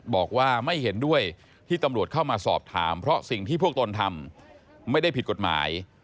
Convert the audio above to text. บอกว่าไม่เห็นด้วยที่ตำรวจเข้ามาสอบถามเพราะสิ่งที่พวกตนทำไม่ได้ผิดกฎหมาย